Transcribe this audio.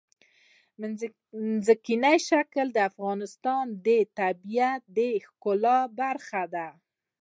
ځمکنی شکل د افغانستان د طبیعت د ښکلا برخه ده.